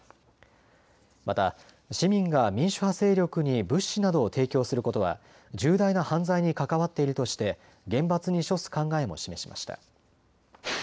また市民が民主派勢力に物資などを提供することは重大な犯罪に関わっているとして厳罰に処す考えも示しました。